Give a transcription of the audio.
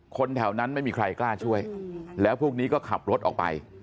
คนแถวนั้นไม่มีใครกล้าช่วยแล้วพวกนี้ก็ขับรถออกไป